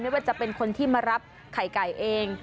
ว่าจะเป็นคนที่มารับไข่ไก่เอง